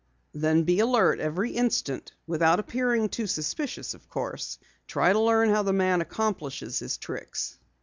"Then be alert every instant without appearing too suspicious, of course. Try to learn how the man accomplishes his tricks."